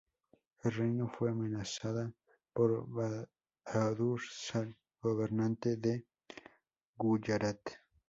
El reino fue amenazada por Bahadur Shah, gobernante de Guyarat.